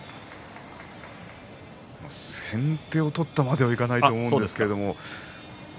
先手を取ったまではいかないと思うんですけど